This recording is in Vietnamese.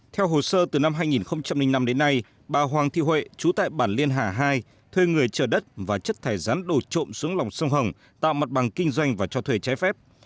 theo hồ sơ từ năm hai nghìn năm đến nay bà hoàng thị huệ chú tại bản liên hà hai thuê người chở đất và chất thải rắn đổ trộm xuống lòng sông hồng tạo mặt bằng kinh doanh và cho thuê trái phép